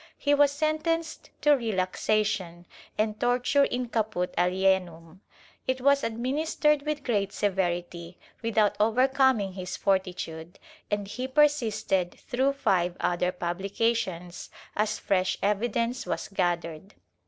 He was sentenced to relaxation and torture in caput alienum; it was administered with great severity without overcoming his fortitude, and he persisted through five other publications as fresh evidence was gathered.